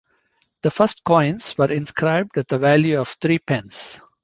The first coins were inscribed with a value of three pence.